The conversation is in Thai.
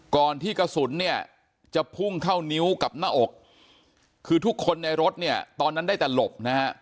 ก่อนที่กระสุนจะพุ่งเข้านิ้วกับหน้าอกคือทุกคนในรถตอนนั้นได้แต่หลบ